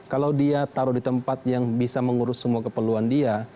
kalau dia taruh di tempat yang bisa mengurus semua keperluan dia